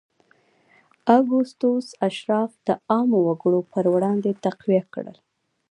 اګوستوس اشراف د عامو وګړو پر وړاندې تقویه کړل